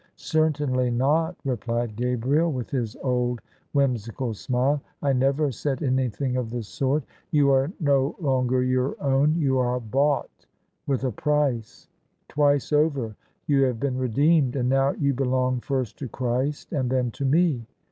"" Certainly not," replied Gabriel, with his old whimsical smile. " I never said anything of the sort. You are no longer your own — ^you are bought with a price. Twice over you have been redeemed, and now you belong first to Christ and then to me."